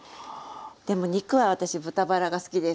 でも肉は私豚バラが好きです。